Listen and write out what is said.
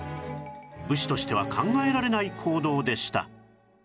武士としては考えられない行動でした